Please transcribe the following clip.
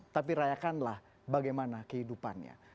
tapi rayakanlah bagaimana kehidupannya